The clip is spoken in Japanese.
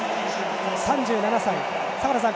３７歳、坂田さん